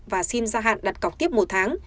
và xin gia hạn đặt cọc tiếp một tháng